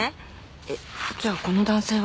えっじゃあこの男性は？